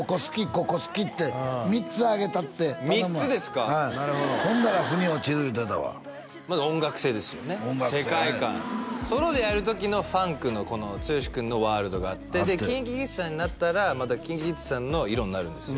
ここ好きって３つ挙げたって３つですかほんならふに落ちる言うてたわまず音楽性ですよね世界観ソロでやる時のファンクのこの剛君のワールドがあってでＫｉｎＫｉＫｉｄｓさんになったらまたＫｉｎＫｉＫｉｄｓさんの色になるんですよ